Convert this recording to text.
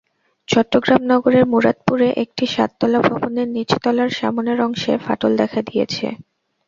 চট্টগ্রাম নগরের মুরাদপুরে একটি সাততলা ভবনের নিচতলার সামনের অংশে ফাটল দেখা দিয়েছে।